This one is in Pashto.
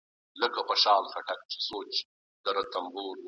جګړه يوازې ويجاړی راوړي.